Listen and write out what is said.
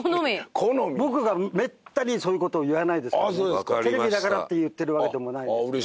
僕がめったにそういうことを言わないですからねテレビだからって言ってるわけでもないですね